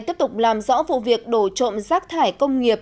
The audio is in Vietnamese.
tiếp tục làm rõ vụ việc đổ trộm rác thải công nghiệp